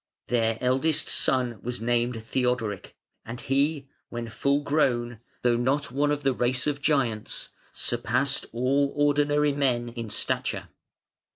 Their eldest son was named Theodoric, and he, when full grown, though not one of the race of giants, surpassed all ordinary men in stature.